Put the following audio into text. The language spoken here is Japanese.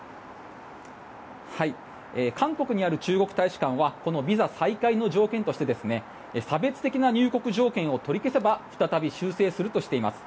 韓国にある中国大使館はビザ再開の条件として差別的な入国条件を取り消せば再び修正するとしています。